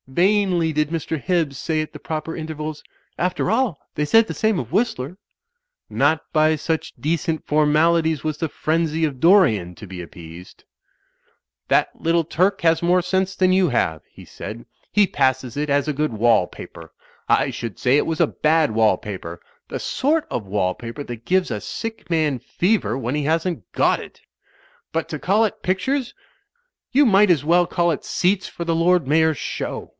Vainly did Mr. Hibbs say at the proper intervals, "After all, they said the same of Whistler." Not by 3jich decent formalities was the frenzy of Dorian to be appeased. Digitized by CjOOQ IC 252 THE FLYING INN "That little Turk has more sense than you have/' he said, "he passes it as a good wall paper. I should say it was a bad wall paper; the sort of wall paper that gives a sick man fever when he hasn't got it But to call it pictures — ^you might as well call it seats for the Lord Mayor's Show.